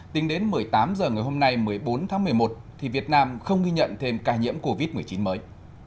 tính đến một mươi tám h ngày hôm nay một mươi bốn tháng một mươi một thì việt nam không ghi nhận thêm ca nhiễm covid một mươi chín mới